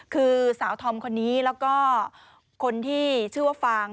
คือสาวธอมคนนี้แล้วก็คนที่ชื่อว่าฟาง